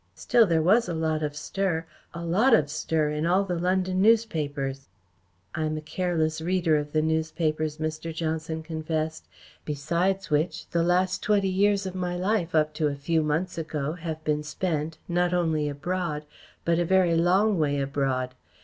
Still there was a lot of stir a lot of stir in all the London newspapers." "I am a careless reader of the newspapers," Mr. Johnson confessed. "Besides which, the last twenty years of my life, up to a few months ago, have been spent, not only abroad, but a very long way abroad.